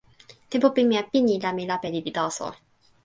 tenpo pimeja pini la mi lape lili taso.